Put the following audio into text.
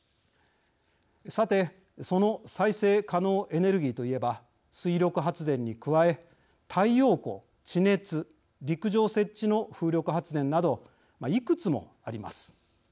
さてその再生可能エネルギーといえば水力発電に加え太陽光地熱陸上設置の風力発電などいくつもあります。